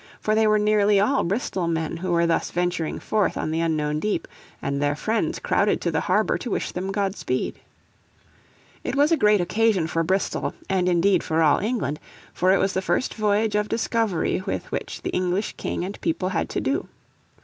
For they were nearly all Bristol men who were thus venturing forth on the unknown deep, and their friends crowded to the harbour to wish them godspeed. It was a great occasion for Bristol, and indeed for all England, for it was the first voyage of discovery with which the English king and people had to do.